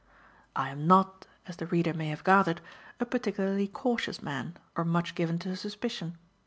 I am not, as the reader may have gathered, a particularly cautious man or much given to suspicion.